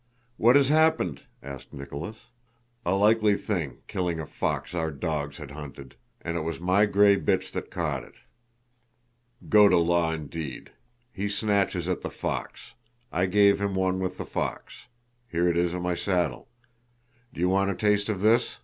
"What has happened?" asked Nicholas. "A likely thing, killing a fox our dogs had hunted! And it was my gray bitch that caught it! Go to law, indeed!... He snatches at the fox! I gave him one with the fox. Here it is on my saddle! Do you want a taste of this?..."